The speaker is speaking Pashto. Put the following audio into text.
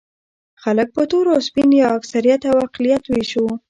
خلک په تور او سپین او یا اکثریت او اقلیت وېشو.